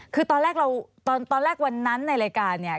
คือตอนแรกเราตอนแรกวันนั้นในรายการเนี่ย